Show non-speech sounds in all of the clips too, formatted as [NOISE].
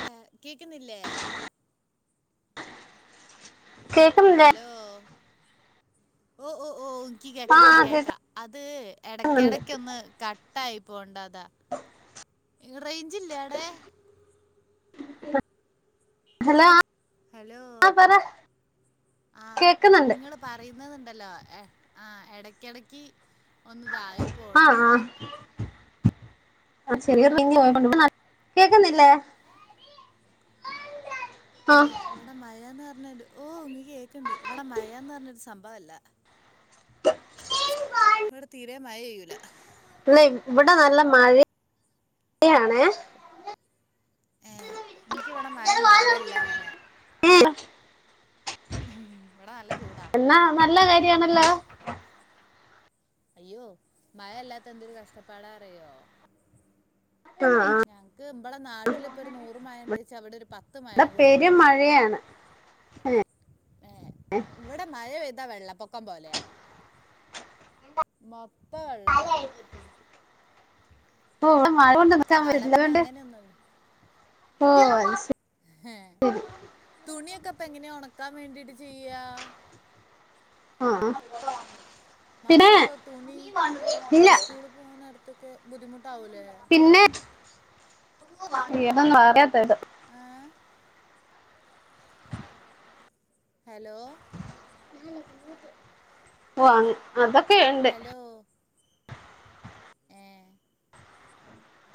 ഹ കേക്കുന്നില്ലേ കേക്കുന്നില്ലേ ഹലോ ഓ ഓ ഓ കി ആ കേക്ക കി കേക്ക അത് കേക്കുന്നുണ്ട് എടക്കിടക്ക് ഒന്ന് കട്ടായി പോണ്ടത് റേയ്ഞ്ച് ഇല്ലേ അവടെ ഹലോ ഹലോ ആ പറ ആ കേക്കുന്നുണ്ട് ഇങ്ങള് പറയിന്നത്ണ്ട് ണ്ടല്ലോ ആ എടക്കിടക്ക് ഒന്നുതായിപ്പോണ്ടതാ അ ശെരിെ [UNINTELLIGIBLE] പോ കേക്കുന്നില്ലേ ആ ഏ ഇവിടെ മഴന്ന് പറ ണ്ട് ഓ ഇങ്ങി കേക്കിണ്ട് ഇവിടെ മയന്ന് റഞ്ഞര് സംഭവല്ല ഇവിടെ തീരെ മഴ യെയ്യൂല ഇല്ല ഇവിടെ നല്ല മഴ മഴണ് ഏ എനിക്ക് വിടെ മഴ ഇണ്ടാവല്ല അങ്ങനെ ഉം, ഇവിടെ നല്ല ചൂടാ [UNINTELLIGIBLE] എന്നാ നല്ല കാര്യണല്ല അയ്യോ മഴ അല്ലാത്ത എന്തൊരു കഷ്ടപ്പാടാറിയോ ആ ആ ഞങ്ങക്ക് ഇ്ബളെ നാട്ടിലിപ്പൊ ഒരു നൂറ് മഴ ഇണ്ട്ച്ച അവിടെ ഒരു പത്ത് മഴ ഇവിടെ കൂടി പെരും ഇണ്ടാവൂല മഴയാണ് ഏ ഇവിടെ മഴ എന്താ വെള്ള പൊക്കം പോലെയാ മഫ്ത്ത വെള്ളാവും ആടെ പിന്നെ അങ്ങനെയൊന്നുല്ല [UNINTELLIGIBLE] [UNINTELLIGIBLE] തുണിയൊകപ്പ് ഇപ്പെങ്ങനെയാ ഒണക്കാൻ വേണ്ടിട്ട് ചെയ്യാ ആ പിന്നെ മക്കകൊക്കെ തുണി ഇപ്പൊ ഇല്ല സ്കൂള് പോവിൻ നേരത്തൊക്കെ ബുദ്ധിമുട്ടാവൂലേ പിന്നെ [UNINTELLIGIBLE] ഏ ഹലോ വാങ്ങും അതൊക്കെയുണ്ട് ഹലോ ഏ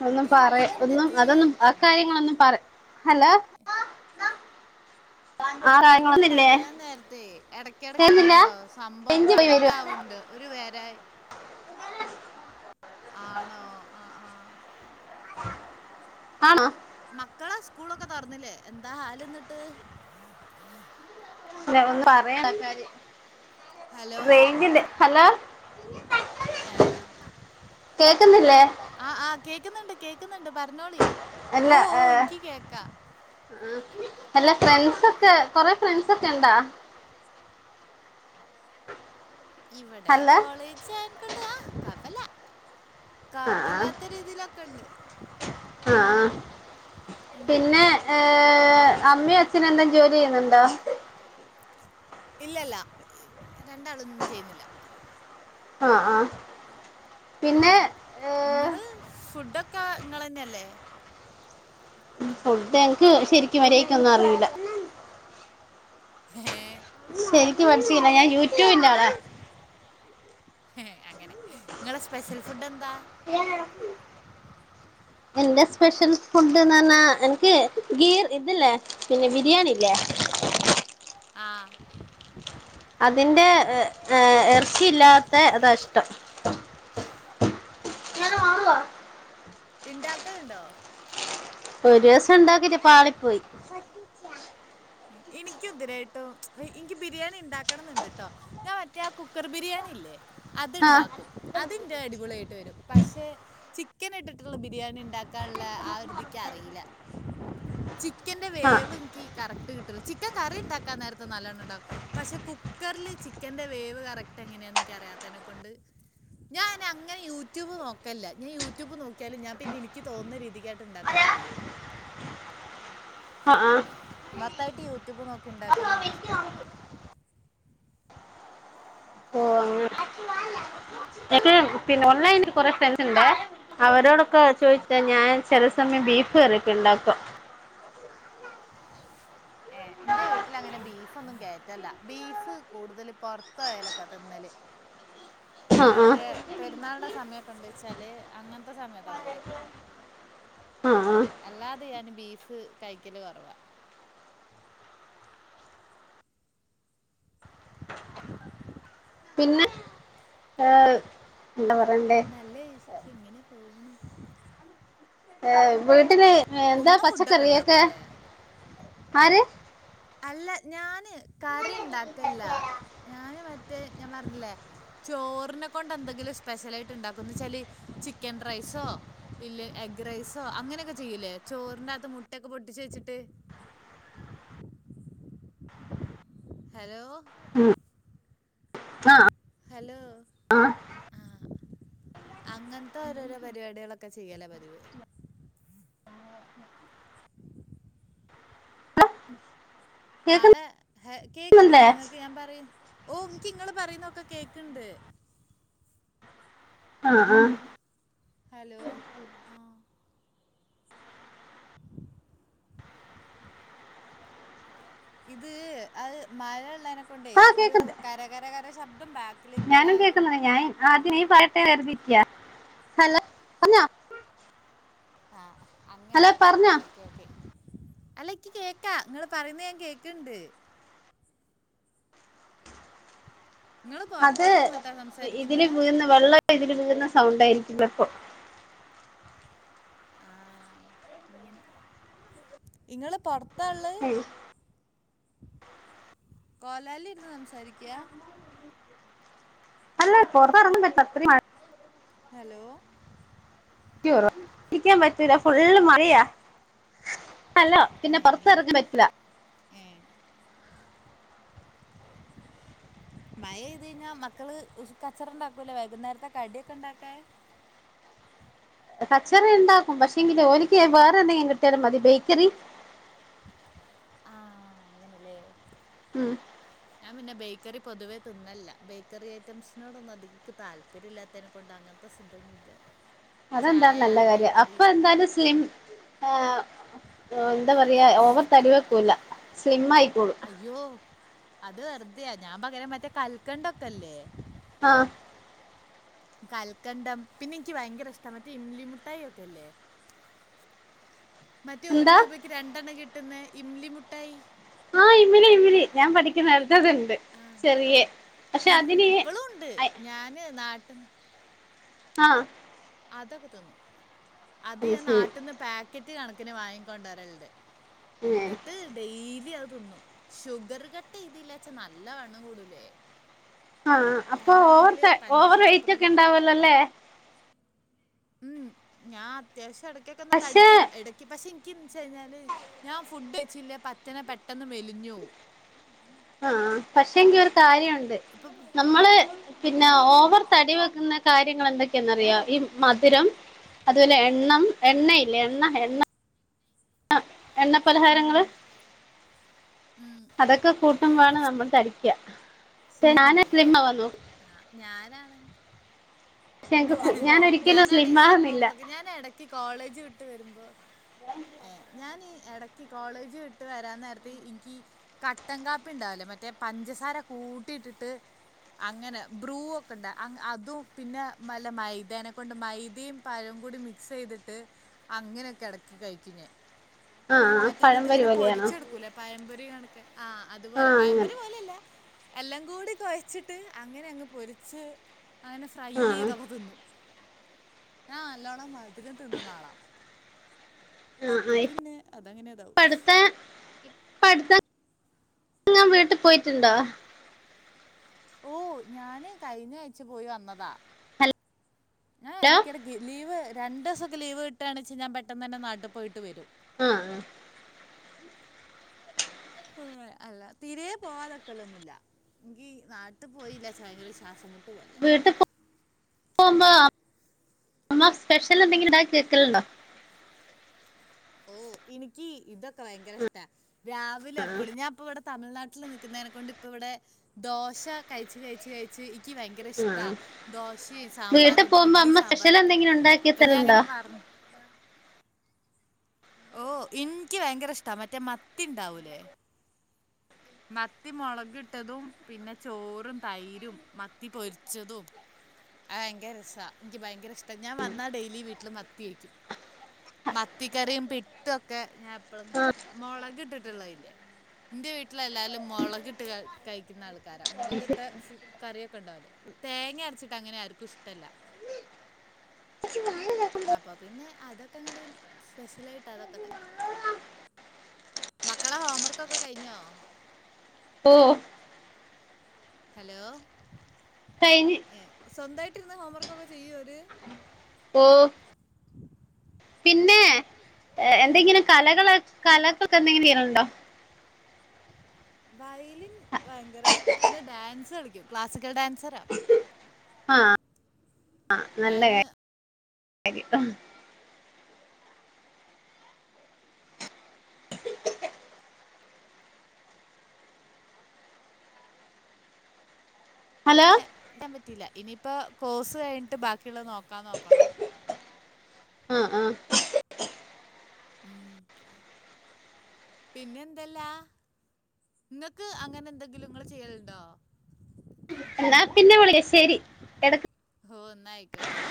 ഒന്നും ഇ പറയാ ഒന്നും അതൊന്നും ഇതെന്തറ്റി ആ കാര്യങ്ങളൊന്നും പറ ഹലോ ആ ഇങ്ങള് കാര്യങ്ങളൊന്നില്ലേ പറയാൻ നേരത്തെ കേൾക്കുന്നില്ല ഏടക്കെടക്കാണ്ടല്ലോ സംഭവം റേഞ്ച് പോയി വരുവാ കട്ടാവ്ണ്ട് ഒരു തരായ് ആണോ ആ ആ ആണോ മക്കളാ സ്കൂളൊക്കെ തൊർന്നില്ലേ എന്താ ഹാല്ന്നട്ട് ഒന്ന് പറയാ റെയാഞ്ച്ന്റെ ഹലോ എ ആ കേക്കുന്നില്ലേ ആ ആ കേക് കേക്ക്ന്ന്ണ്ട് കേക്ക്ന്ന്ണ്ട് പറഞ്ഞോളി അല്ല ഓ ഓ ഏഹ് ഇൻക്ക് കേക്കാ അല്ല ഫ്രണ്ട്സൊക്കെ കൊറേ ഫ്രണ്ട്സൊക്കെ ഇണ്ടാ ഇവിടെ അല്ല കോളേജ് ആയേൻക്കൊണ്ട് ആ കൊയപല്ല ആഹ് കാപ്പല്ലാത്ത രീതിയിലൊക്കെണ്ട് ആഹ് പിന്നെ ഏ അമ്മിം അച്ഛനും എല്ലാം ജോലി ചെയ്യുന്നുണ്ടോ ഇല്ലല്ല രണ്ടാളൊന്നും ചെയ്യുന്നില്ല ആ ആ ഇങ്ങള് ഫുഡൊക്കാ ഇങ്ങളെ ന്നെയല്ലേ ഫുഡ് എന്ക്ക് ശരിക്കും മര്യായ്കൊന്നും അറീല്ല ഏ ശരിക്കും പഠിചീല്ല ഞാൻ യൂറ്റ് എ അങ്ങനെ ഇങ്ങളെ സ്പെഷ്യൽ ഫുഡെന്താ [UNINTELLIGIBLE] എന്റെ സ്പെഷ്യൽ ഫുഡ്ന്നർഞ്ഞാ എനിക്ക് ഗീർ ഇത് ല്ലേ പിന്നെ ബിരിയാണില്ലേ [UNINTELLIGIBLE] ആ അതിന്റെ ഏർച്ചിയില്ലാത്ത അതാ ഇഷ്ടം [UNINTELLIGIBLE] ഈണ്ടാക്കൽണ്ടോ ഒരൊസം ഇണ്ടാകീട്ട് പാളി പോയി എനിക്കുതേരായിട്ട് എനിക്ക് ബിരിയാണി ഇണ്ടാക്കണംന്ന്ണ്ട്ട്ടോ ഞാൻ മറ്റേ കുക്കർ ബിരിയാണില്ലേ ആഹ് അത്ണ്ടാക്കും അതിന്റെ അടിപൊളിയായിട്ട് വരും പക്ഷെ ചിക്കൻ ഇട്ടിട്ടുള്ള ബിരിയാണി ഇണ്ടാക്കാൻള്ള ആ ഒരുതിക്കറീല്ല ചിക്കന്റെ ആഹ് വേവ് ഇനിക്ക് കറക്റ്റ് കിട്ട് ചിക്കൻ കറി ഈണ്ടാക്കാൻ നേരത്ത് നല്ലോണം ഉണ്ടാക്കും പക്ഷെ കുക്കറല് ചിക്കന്റെ വേവ് കറക്റ്റ് എങ്ങനെയാന്ന്ക് ഇൻകറിയാത്തേനെ കൊണ്ട് ഞാനങ്ങനെ യൂട്യൂബ് നോകേല്ല ഞാൻ യൂറ്റൂബ് നോക്യാലും ഞാൻ പിന്നെഎനിക്ക് തോന്ന്ന്ന രീതികങ്ങട്ട് ഇണ്ടാക്കലാ ചെയ്യല് ആ ആ മൊത്തായിട്ട് യൂട്യൂബ് നോക്കി ഇണ്ടാക്കുന്നെ ഇൻക്ക് ഇഷ്ടല്ല [INAUDIBLE] എ പിന്നെ ഓൺലൈനിൽ കൊറെേ ഫ്രണ്ട്‌സ് ഉണ്ടേ അവരോടൊക്കെ ചോദിച്ച ഞാൻ ചെല സമയം ബീഫ് കറിക്കേ ഇണ്ടാക്കും [UNINTELLIGIBLE] ഏ എന്റെ വീട്ടില് അങ്ങനെ ബീഫൊന്നും കേയറ്റല്ല ബീഫ് കൂടുതല് പൊറത്തയാലൊക്ക തിന്നല് ഈ ആഹ് ആഹ് മറ്റേ പേ പെരുന്നാളുടെ സമയമൊക്കെ ഉണ്ട് വെച്ചാല് അങ്ങനത്തെ സമയത്തൊക്കെ കഴിക്കും ആഹ് ആഹ് അല്ലാതെ ഞാന് ബീഫ് കഴിക്കല് കുറവാ പിന്നെ ഏഹ് എന്താ പറണ്ടേ? പക്ഷെ ഇങ്ങനെ പോകണം? വീട്ടില് എന്താ ഫുഡൊക്കെ പച്ചക്കറിയൊക്കെ ഉണ്ടാക്കൂലേ ആര്? അല്ല ഞാന് കറി ഇണ്ടാക്കല്ല ഞാന് മറ്റേ ഞാൻ പറഞ്ഞില്ലേ ചോറിനെ കൊണ്ട് എന്തെങ്കിലും സ്പെഷ്യൽ ആയിട്ട് ഇണ്ടാക്കൂന്ന് ന്ന്ച്ചാല് ചിക്കൻ റൈസോ ഇല്ല എഗ്ഗ് ഗ് റൈസോ അങ്ങനെയൊക്കെ ചെയ്യുലേ ചോറിനാത്ത് മുട്ടെക്കെ പൊട്ടിച്ച് വെച്ചിട്ട് ഹലോ ആ ഹലോ ആ അങ്ങൻത്തെ ഓരോരോ പരിപാടികളൊക്കെ ചെയ്യല പതിവ്. കേക്ക ആട ന്നുണ്ടേ കേക്കുന്നില്ലേ നിങ്ങക്ക് ഞാൻ പറ ഓ നിയ്ക്ക് ഇങ്ങള് പറയുന്നൊക്കെ കേക്കിണ്ട്. ആ ആ ഹലോ ആ ഇത് അത് മഴയിള്ളേനെക്കൊണ്ടേ ആഹ് ഒരു കേക്ക്ണ്ട് കരകരകര ശബ്ദം ബാ ഞാനും കേക്കുന്നി. ഞാൻ ആദ്യം നീ പറയട്ടേന്ന് കരുതിരിക്യ. ഹലോ പറഞ്ഞോ. ആ അങ്ങനെ ഹലോ ആ പറഞ്ഞോ ഓക്കെ ഓക്കെ. അല്ലക്കി കേക്കാ നിങ്ങള് പറയുന്ന ഞാൻ കേക്കിണ്ട് ഇങ്ങള് അത് പൊറത്ത് നിന്നിട്ടാ ഇതില് സംസാരിക്കുന്നെ വീയുന്ന വെള്ളം ഇതില് സൗണ്ട് ആയിരിക്കും ലെപ്പോ. ആ ഇങ്ങള് പുറത്ത ഉം കൊലാല് ഇര്ന്ന് സംസാരിക്ക? [UNINTELLIGIBLE] ഹലോ [UNINTELLIGIBLE] പറ്റുല്ല ഫുള്ള് മഴയാ. അല്ലോ പിന്നെ ഏഹ് പുറത്ത് അങ്ങനെ ഇറങ്ങാ പറ്റൂല. ഏഹ് മയ ഇത് കഴിഞ്ഞാ മക്കള് കച്ചറ ഉണ്ടാക്കൂല്ലേ വൈകുന്നേരത്തെ കടിയൊക്കെ ഇണ്ടാക്കാ കച്ചറ ഉണ്ടാക്കും പക്ഷെങ്കില് ഒരിക്ക് വേറെ എന്തെങ്കിലും കിട്ടിയാലും മതി ബേക്കറി. ആ അങ്ങനല്ലേ. ഉം ഞാൻ പിന്നെ ബേക്കറി പൊതുവേ തിന്നലില്ല ബേക്കറി ഐറ്റംസിനോടൊന്നും അധിക താല്പര്യം ഇല്ലാതേനെ കൊണ്ട അങ്ങനത്തെ സിദ്ധൊന്നുല്ല. അതെന്താലും നല്ല കാര്യ അപ്പൊ എന്തായാലും സ്ലിം ആ എന്താ പറയാ ഓവർ തടിവക്കൂല സ്ലിം ആയി അയ്യോ അത് വെറുതെയാ ഞാൻ പകരം മറ്റേ കൽക്കണ്ടൊക്കെല്ലേ ആ കൽക്കണ്ടം പിന്നെ എനിക്ക് ഭയങ്കര ഇഷ്ട മറ്റേ ഇംലിമുട്ടായി ഒക്കെല്ലേ? മറ്റേ ഒരു എന്താ രൂപക്ക് രണ്ടെണ്ണം കിട്ടുന്ന ഇമലി മുട്ടായി ആ ഇമിലി ഇമിലി ഞാൻ പഠിക്കുന്ന കാ [UNINTELLIGIBLE] ചെറിയ പക്ഷെ അതിന് ഇപ്പോഴും ഉണ്ട് അ ഞാൻ നാട്ടിൽ നിന്ന് ആ അതൊക്കെ തിന്നും. അത് ഞാൻ നാട്ടിന്ന് പാക്കറ്റ് കണക്കിന് വാങ്ങിക്കൊണ്ട് വരലിണ്ട്. ഏഹ് എന്നിട്ട് ഡെയിലി അത് തിന്നും ഷുഗർ കട്ട് ഇതില്ലാച്ച നല്ല വണ്ണം കൂടൂലേ? ആഹ അപ്പൊ ഞാനാണെങ്കിൽ ഓവർത്തെ ഓവർ പഞ്ചസാര വെയ്റ്റ് ഒക്കെ പ്രിയ ഇണ്ടാവല്ലോല്ലേ? ഉം ഞാൻ അത്യാവശ്യം ഇടക്കൊക്കെ ഒന്ന് പക്ഷെ തടിക്കും ഇടക്ക് പക്ഷെ എനി ഇനിക്കിന്ന് വച്ച് കഴിഞ്ഞാല് ഞാൻ ഫുഡ് കയിച്ചില്ലേ പച്ചന പെ ആ പക്ഷെ എങ്കി ഒരു കാര്യ ഇപ്പം നമ്മ പിന്ന ഓവർ തടി വെക്കുന്ന കാര്യങ്ങൾ എന്തൊക്കെയാന്നറിയാ ഈ മധുരം, അതുപോലെ എണ്ണം എണ്ണയില്ലേ എണ്ണ എണ്ണ എണ്ണ പലഹാരങ്ങള്, അതൊക്കെ കൂട്ടുമ്പോാണ് നമ്മൾ തടിക്ക ശ [UNINTELLIGIBLE] വന്നു ആ ഞാനാണെങ്കി പക്ഷെ എനിക്ക് ഞാൻ ഒരിക്കലും ഞാനാണ് സ്ലിം ഈ ആവുന്നില്ല സംഭവങ്ങളൊക്കെ ഞൻ ഇടക്ക് കോളേജ് വിട്ട് വരുമ്പോ ഞ ഇടക്ക് കോളേജ് വിട്ട് വരാൻ നേരത്ത് എനിക്ക് കട്ടൻ കാപ്പി ഉണ്ടാവല്ലേ മറ്റേ പഞ്ചസാര കൂട്ടിയിട്ടിട്ട് അങ്ങനെ ബ്രൂ ഒക്കെ ഉണ്ട് അതും പിന്നെ നല്ല മൈദേനെക്കൊണ്ട് മൈദയും പഴവും കൂടി മിക്സ് ചെയ്ത് ട്ട് അങ്ങനെയൊക്കെ ഇടക്കി കൈക്കു ഞാൻ ആഹ് മറ്റേ എന്നിട്ട് പഴംപൊരി ഇങ്ങനെ പോലെയാണോ പൊരിച്ചെടുക്കൂല്ലേ പയംമ്പൊരി കണ ആ അതുപോലെ ആഹ് അങ്ങനെ പഴമ്പൊല പോലെല്ല എല്ലാം കൂടി കുഴച്ചിട്ട് അങ്ങനെ പൊരിച്ച് അങ്ങനെ ഫ്രൈ ആഹ് ചെയ്തൊക്കെ തിന്നു ഞ നല്ലോണം മധുരം തിന്ന നാളാ ആഹ് അപ്പൊ ആഹ് ഇപ്പ പിന്നെ അതങ്ങനെ അതാവ അടുത്ത ഇപ്പ അടുത്തെങ്ങാൻ [UNINTELLIGIBLE] വീട്ടിൽ പോയിട്ടുണ്ടോ? ഓ ഞാന് കഴിഞ്ഞ അഴച്ചു പോയി വന്നതാ, ഞാൻ ഹലോ ഇടക്കിടയ്ക്ക് ലീവ് രണ്ട ദിവസൊക്കെ ലീവ് കിട്ടുകണെച്ച ഞാൻ പെട്ടെന്ന് തന്നെ നാട്ടിൽ പോയിട്ട് വരും ആ ആ അല്ല തീരെ പോവാതക്കല്ലൊന്നുമല്ല, എനിക്ക് നാട്ടിൽ പോയില്ല ചയങ്കര ശ്വാസം പോലെ വീട്ടിൽ പോകുമ്പോ അമ്മ സ്പെഷ്യൽ എന്തെങ്കിലും ഇണ്ടാക്കി വെക്കൽ ഉണ്ടോ ഓ എനിക്ക് ഇതൊക്കെ ഭയങ്കര ഇഷ്ടാ രാവിലെ എപ്പഴും ഞാൻപ്പ ഇവിടെ തമിഴ്നാട്ടിൽ നിക്കുന്നതിനെക്കൊണ്ട് ഇപ്പ ഇവിടെ ദോശ കഴിച്ച കഴച്ച് കഴിച്ച്, എനിക്ക് ഭയങ്കര ഇഷ്ടാ ആഹ് ദോശയും വീട്ടിൽ സാമ്പാറും പോകുമ്പോ ഇഡ്ലി അമ്മ സ്പെഷ്യൽ സാമ്പാറും ഒക്കെ എന്തെങ്കിലും ഉണ്ടാക്കി അപ്പൊ ഞാൻ തരലുണ്ടോ അങ്ങനെ പറഞ്ഞ ഓ എനിക്ക് ഭയങ്കര ഇഷ്ടാ മറ്റേ മത്തി ഇണ്ടാവൂലേ മത്തി മുളകിട്ടതും പിന്നെ ചോറും തൈരും മത്തി പൊരിച്ചതും ഭയങ്കര രസ എനിക്ക് ഭയങ്കര ഇഷ്ട ഞാൻ വന്നാ ഡെയിലി വീട്ടില് മത്തിയേക്കും മത്തിക്കറിയും പിട്ടും ഒക്കെ ഞാൻ എപ്പഴും ആഹ് മുളക് ഇട്ടിട്ടുള്ള ഇല്ലേ എന്റെ വീട്ടില എല്ലാരും മുളകിട്ട് കഴിക്കുന്ന ആൾക്കാരാ മുളകിട്ട ഫു കറിയൊക്കെ ഉണ്ടാവലേ? തേങ്ങ അടച്ചിട്ട് അങ്ങനെ ആർക്കും ഇഷ്ടല്ല അപ്പൊ പിന്നെ അതൊക്കെ അങ്ങട് സ്പെഷ്യലായിട്ട് തൊക്കെ തന്നെ മക്കളെ ഹോം വർക്കൊക്കെ കഴിഞ്ഞോ? ഓ ഹലോ? കഴിഞ്ഞ സ്വന്തമായിട്ട് ഇരന്ന് ഹോംവർക്കൊക്കെ ചെയ്യര്? ഓ പിന്നെ ഏ എന്തെങ്കിലും കലകള് കലകൊക്കെ എന്തെങ്കിലും ണുണ്ടോ? വയലിൻ ഭയങ്കര ഇഷ്ടാ പിന്നെ ഡാൻസ് കളിക്കും ക്ലാസിക്കൽ ഡാൻസറാ. ആ നല്ല ഞാൻ കാര്യം. ഹലോ പറ്റില്ല ഇനിയിപ്പോ കോഴ്സ് കഴിഞ്ഞിട്ട് ബാക്കിയുള്ളത് നോക്കാ നോക്കണം. ആഹ് ആഹ് പിന്നെന്തല്ലാ? ങ്ങക്ക് അങ്ങനെ ന്തെങ്കിലും നിങ്ങൾ ചെയ്യലുണ്ടോ? എന്നാ പിന്നെ വിളി ശരി എട ഓ ന്നായിക്കോട്ടെ.